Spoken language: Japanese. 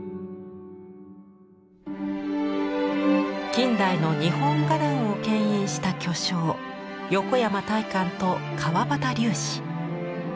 近代の日本画壇を牽引した巨匠横山大観と川端龍子。